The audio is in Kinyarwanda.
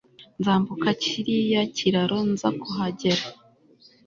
nzambuka kiriya kiraro nza kuhagera